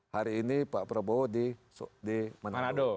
hari ini pak prabowo di manado